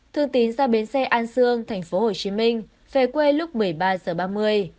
thương tín ra bến xe an sương tp hcm về quê lúc một mươi ba h ba mươi